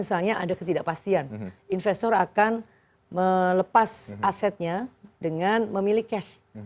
jadi ada ketidakpastian investor akan melepas asetnya dengan memilih cash